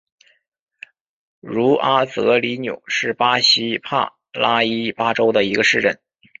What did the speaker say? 茹阿泽里纽是巴西帕拉伊巴州的一个市镇。